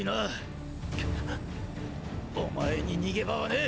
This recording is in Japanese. お前に逃げ場はねぇ！